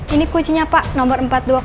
ini kucinya pak nomor empat ribu dua ratus dua